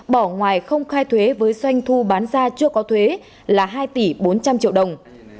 bỏ ngoài không khai thuế với doanh thu bán ra chưa có thuế là hai tỷ bốn trăm linh triệu đồng